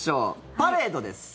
パレードです。